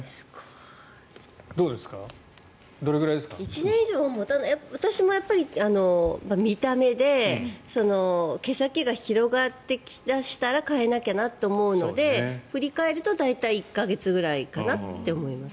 １年以上私も見た目で毛先が広がってきだしたら替えなきゃなって思うので振り返ると大体１か月ぐらいかなと思います。